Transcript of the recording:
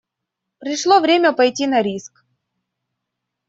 Пришло время пойти на риск.